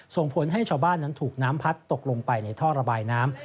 ส่งผลให้ชาวบ้านนั้นถูกน้ำพัดตกลงไปในท่อระบายน้ำ